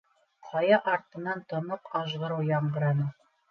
Ҡая артынан тоноҡ ажғырыу яңғыраны.